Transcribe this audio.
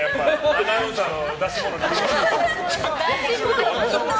アナウンサーの出し物に。